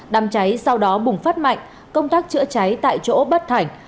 đám cháy sau đó bùng phát mạnh công tác chữa cháy tại chỗ bất thành